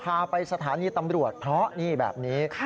พาไปสถานีตำรวจเพราะนี่แบบนี้